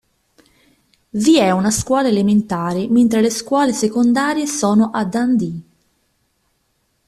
Vi è una scuola elementare mentre le scuole secondarie sono a Dundee.